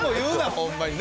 ほんまに。